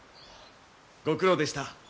ご苦労でした。